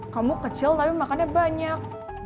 kamu kecil tapi makannya banyak